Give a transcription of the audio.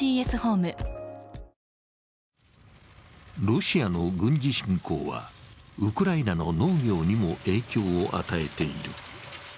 ロシアの軍事侵攻はウクライナの農業にも影響を与えている。